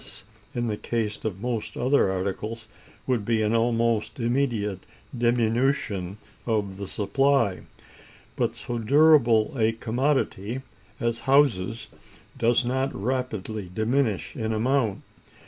The consequence of such excess, in the case of most other articles, would be an almost immediate diminution of the supply; but so durable a commodity as houses does not rapidly diminish in amount.